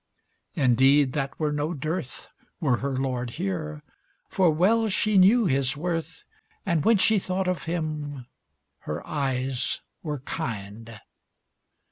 Indeed that were no dearth Were her Lord here, for well she knew his worth, And when she thought of him her eyes were kind.